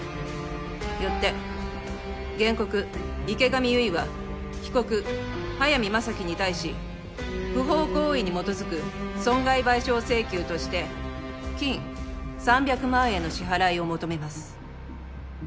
よって原告・池上結衣は被告・速水政樹に対し不法行為に基づく損害賠償請求として金３００万円の支払いを求めます。